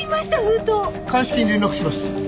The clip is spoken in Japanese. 鑑識に連絡します。